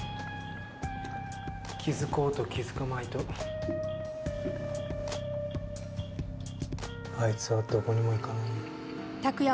気づこうと気づくまいとあいつはどこにも行かないよ。